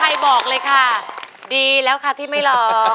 อาอยุดล้านหัว